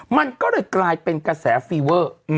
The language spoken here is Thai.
มันก็เลยกลายเป็นกระแสฟีเวอร์